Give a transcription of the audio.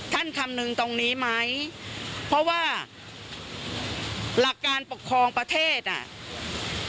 คำนึงตรงนี้ไหมเพราะว่าหลักการปกครองประเทศอ่ะ